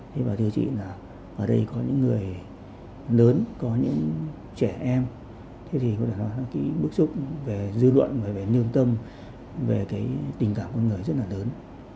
thế và thưa chị là ở đây có những người lớn có những trẻ em thế thì có thể nói là cái bức xúc về dư luận về lương tâm về cái tình cảm con người rất là lớn